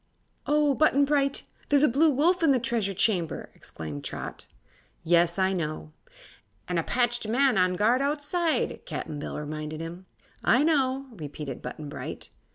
"Oh, Button Bright! There's a Blue Wolf in the Treasure Chamber!" exclaimed Trot. "Yes; I know." "An' a patched man on guard outside," Cap'n Bill reminded him. "I know," repeated Button Bright.